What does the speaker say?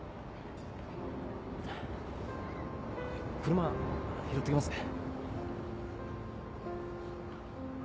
車拾ってきますね。